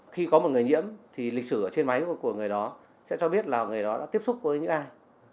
khi có một người nhiễm thì lịch sử ở trên máy của người đó sẽ cho biết là người đó đã tiếp xúc với những ai